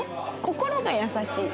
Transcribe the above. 心が優しい。